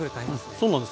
そうなんですよ。